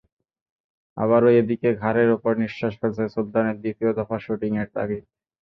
আবার, এদিকে ঘাড়ের ওপর নিশ্বাস ফেলছে সুলতানের দ্বিতীয় দফা শুটিংয়ের তাগিদ।